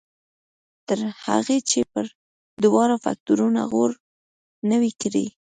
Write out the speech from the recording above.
تر هغې چې پر دواړو فکټورنو غور نه وي کړی.